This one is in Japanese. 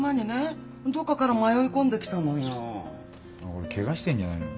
これケガしてんじゃないの？